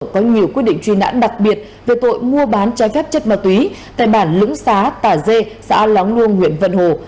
có nhiều quyết định truy nãn đặc biệt về tội mua bán trái phép chất ma túy tại bản lũng xá tà dê xã lóng luông huyện vận hồ